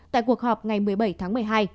tại cuộc họp ngày một mươi bảy tháng một mươi hai